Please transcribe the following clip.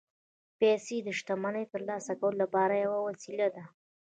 پیسې د شتمنۍ ترلاسه کولو لپاره یوه وسیله ده